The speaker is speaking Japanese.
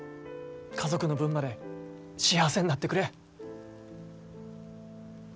家族の分まで幸せになってくれ。